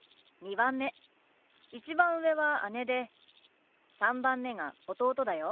１番上は姉で３番目が弟だよ。